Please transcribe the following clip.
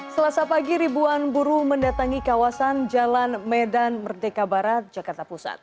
selasa pagi ribuan buruh mendatangi kawasan jalan medan merdeka barat jakarta pusat